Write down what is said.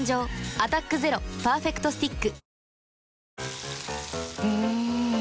「アタックＺＥＲＯパーフェクトスティック」